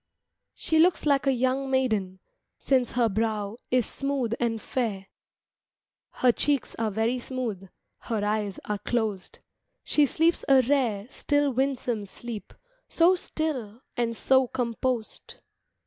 She looks like a young maiden, since her brow Is smooth and fair, Her cheeks are very smooth, her eyes are closed, She sleeps a rare Still winsome sleep, so still, and so composed.